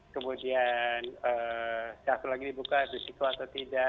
kemudian siapa lagi dibuka bersiko atau tidak